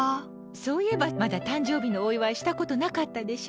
そういえば、まだ誕生日のお祝いしたことなかったでしょ。